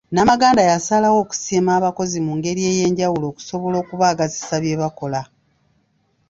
Namaganda yasalawo akusiima abakozi mu ngeri ey'enjawulo okusobola okubaagazisa bye bakola.